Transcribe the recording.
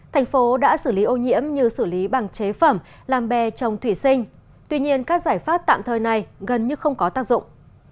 thành phố đã xử lý ô nhiễm như xử lý bằng chế phẩm làm bè trong thủy sinh tuy nhiên các giải pháp tạm thời này gần như không có tác dụng